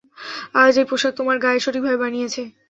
আজ এই পোশাক তোমার গায়ে সঠিকভাবে মানিয়েছে।